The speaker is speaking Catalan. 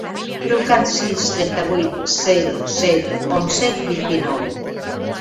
Truca al sis, trenta-vuit, zero, set, onze, vint-i-nou.